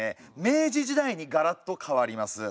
明治時代にがらっと変わります。